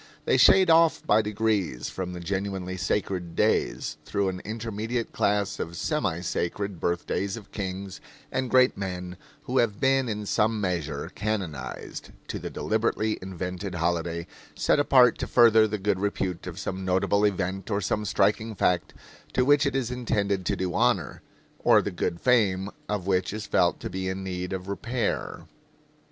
They shade off by degrees from the genuinely sacred days, through an intermediate class of semi sacred birthdays of kings and great men who have been in some measure canonized, to the deliberately invented holiday set apart to further the good repute of some notable event or some striking fact, to which it is intended to do honor, or the good fame of which is felt to be in need of repair.